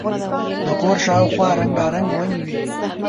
د کور شاوخوا رنګارنګ ونې وې.